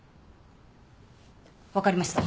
分かりました。